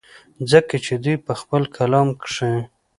ځکه چې دوي پۀ خپل کلام کښې